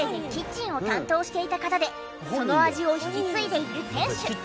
その味を引き継いでいる店主。